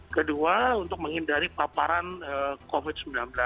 kedua untuk menghindari paparan covid sembilan belas